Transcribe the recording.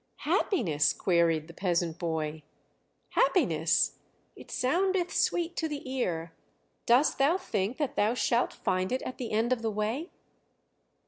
"Happiness!" queried the peasant boy; "happiness! It soundeth sweet to the ear; dost thou think that thou shalt find it at the end of the way?"